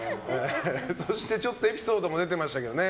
そして、ちょっとエピソードも出てましたけどね。